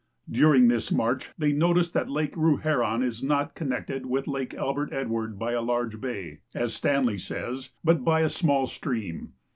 During tliis march they noticed that Lake Ruherou is not con nected with Lake Albert lildward by a large bay, as Stanley says, but by a small stream.